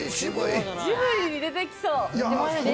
ジブリに出てきそう。